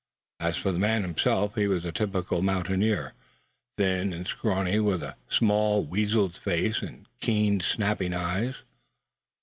As for the man himself, he was a typical mountaineer, thin and scrawny, with a small, weasened face, and keen, snapping eyes.